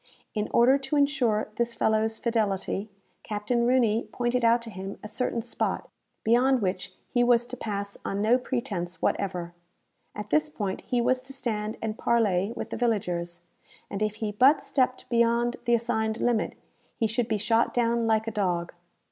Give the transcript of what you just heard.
In order to insure this fellow's fidelity, Captain Rooney pointed out to him a certain spot, beyond which he was to pass on no pretence whatever. At this point he was to stand and parley with the villagers, and if he but stepped beyond the assigned limit, he should be shot down like a dog.